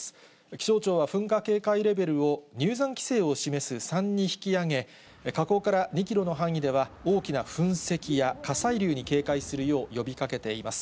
気象庁は噴火警戒レベルを、入山規制を示す３に引き上げ、火口から２キロの範囲では、大きな噴石や火砕流に警戒するよう呼びかけています。